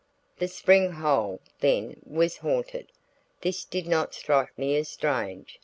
The spring hole, then, was haunted. This did not strike me as strange.